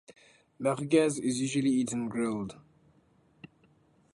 Merguez is usually eaten grilled.